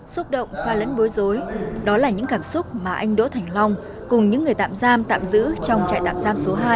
xúc động pha lẫn bối rối đó là những cảm xúc mà anh đỗ thành long cùng những người tạm giam tạm giữ trong trại tạm giam số hai